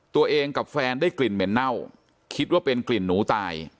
ตัวเองกับแฟนได้กลิ่นเหม็นเน่าคิดว่าเป็นกลิ่นหนูตาย